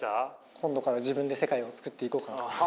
今度から自分で世界をつくっていこうかな。